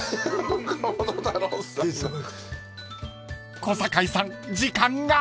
［小堺さん時間が！］